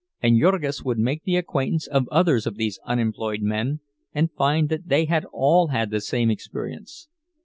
And Jurgis would make the acquaintance of others of these unemployed men and find that they had all had the same experience.